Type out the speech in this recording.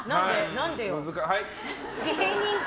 何でよ！